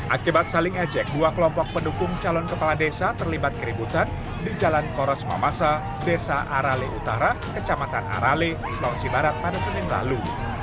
akibat saling ejek dua kelompok pendukung calon kepala desa terlibat keributan di jalan koros mamasa desa arale utara kecamatan arale sulawesi barat pada senin lalu